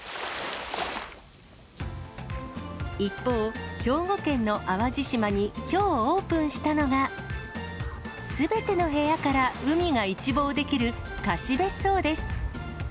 一方、兵庫県の淡路島にきょうオープンしたのが、すべての部屋から海が一望できる貸別荘です。